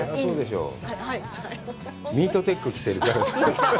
ニートテック着てるから。